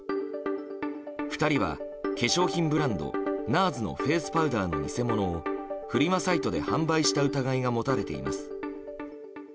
２人は、化粧品ブランドＮＡＲＳのフェースパウダーの偽物をフリマサイトで販売した疑いが持たれています。